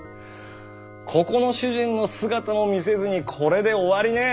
ここの主人の姿も見せずにこれで終わりねェ。